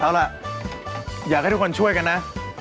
เอาล่ะอยากให้ทุกคนช่วยกันนะ